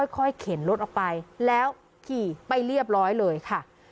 เข็นรถออกไปแล้วขี่ไปเรียบร้อยเลยค่ะ